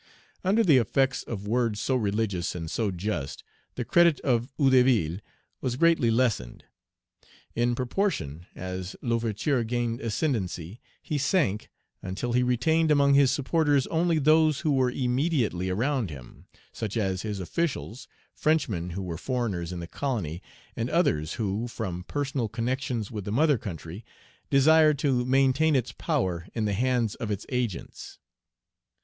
Under the effects of words so religious and so just, the credit of Hédouville was greatly lessened. In proportion as L'Ouverture gained ascendency, he sank, until he retained among his supporters only those who were immediately around him, such as his officials, Frenchmen who were foreigners in the colony, and others who, from personal connections with the mother country, desired to maintain its power in the hands of its agents.